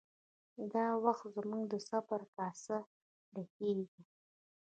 دا وخت زموږ د صبر کاسه ډکیږي